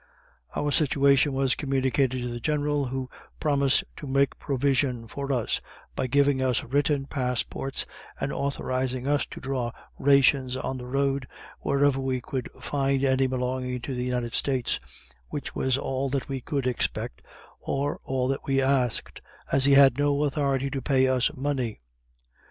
Our situation was communicated to the General, who promised to make provision for us, by giving us written passports, and authorizing us to draw rations on the road wherever we could find any belonging to the United States which was all that we could expect, or all that we asked, as he had no authority to pay us money.